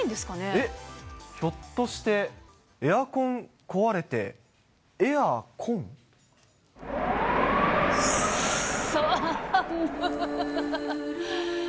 えっ、ひょっとしてエアコン壊れて、寒い。